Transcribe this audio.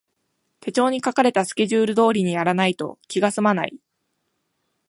手帳に書かれたスケジュール通りにやらないと気がすまない